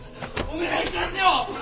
お願いしますよ！